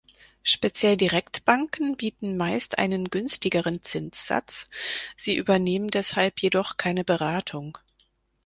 Speziell Direktbanken bieten meist einen günstigeren Zinssatz, sie übernehmen deshalb jedoch keine Beratung.